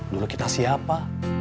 dulu kita siapa